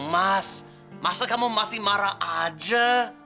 mas masa kamu masih marah aja